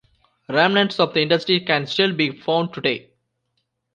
Remnants of industry can still be found today.